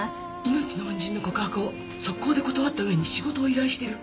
命の恩人の告白を即行で断ったうえに仕事を依頼してる。